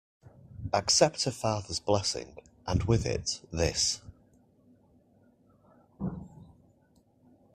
Accept a father's blessing, and with it, this.